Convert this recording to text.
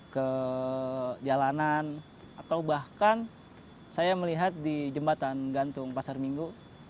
ke jalanan atau bahkan saya melihat di jembatan gantung pasar minggu